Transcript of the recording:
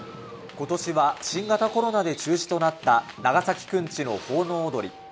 今年は新型コロナで中止となった長崎くんちの奉納踊り。